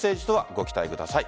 ご期待ください。